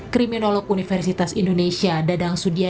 kriminolog universitas indonesia dadang sudia